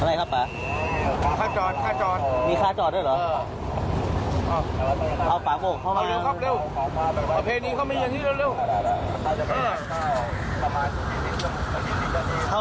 เอ้าเปาะโบกเข้ามาครับเร็วประเภณีเข้ามีอย่างนี้เร็ว